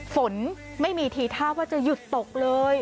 ฝนไม่มีทีท่าว่าจะหยุดตกเลย